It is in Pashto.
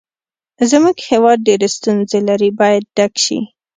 زموږ هېواد ډېرې ستونزې لري باید ډک شي.